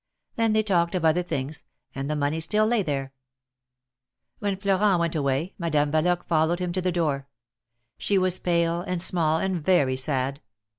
Then they talked of other things, and the money still lay there. When Florent went away, Madame Yaloque followed 10 158 THE MARKETS OP PARIS. him to the door. She was pale and small, and very sad.